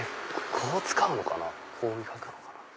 こう磨くのかな？